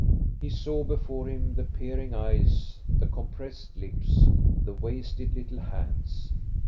He saw before him the peering eyes, the compressed lips, the wasted little hands.